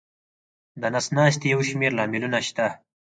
د نس ناستي یو شمېر لاملونه شته.